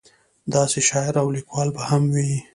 داسې شاعر او لیکوال به هم وي.